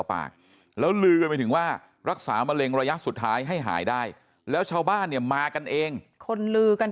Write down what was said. ปากแล้วลือกันไปถึงว่ารักษามะเร็งระยะสุดท้ายให้หายได้แล้วชาวบ้านเนี่ยมากันเองคนลือกัน